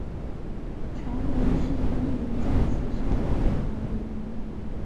传闻是渔民在此晒网而得名。